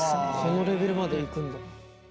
そのレベルまでいくんだ。